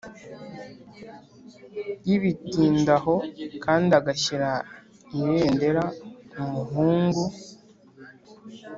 yabitindaho kandi agashyira ibendera umuhungu